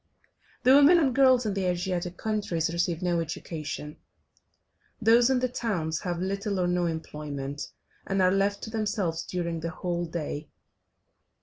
The women and girls in the Asiatic countries receive no education, those in the towns have little or no employment, and are left to themselves during the whole day.